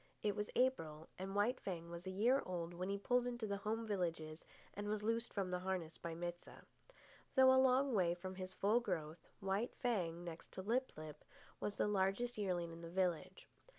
It was April, and White Fang was a year old when he pulled into the home villages and was loosed from the harness by Mit sah. Though a long way from his full growth, White Fang, next to Lip lip, was the largest yearling in the village.